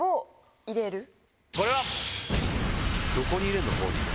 どこに入れるの？